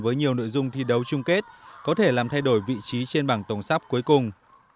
với nhiều nội dung thi đấu chung kết có thể làm thay đổi vị trí trên bảng tổng sắp cuối cùng